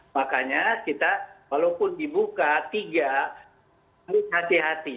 makanya kita walaupun dibuka tiga harus hati hati